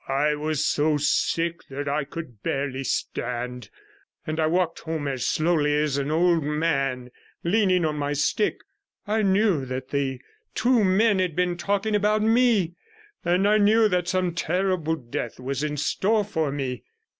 I was so sick that I could barely stand, and I walked home as slowly as an old man, leaning on my stick. I knew that the two men had been talking about me, and I knew that some terrible death was in store for me.